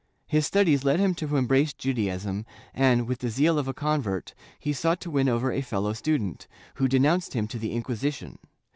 His studies led him to embrace Judaism and, with the zeal of a convert, he sought to win over a fellow student, who denounced him to the Inquisi tion.